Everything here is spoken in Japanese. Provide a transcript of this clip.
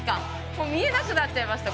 もう見えなくなっちゃいました